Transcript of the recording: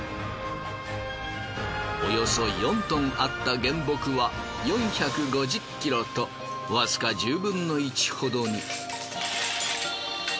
およそ４ｔあった原木は４５０ｋｇとわずか１０分の１ほどに。